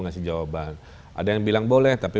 ngasih jawaban ada yang bilang boleh tapi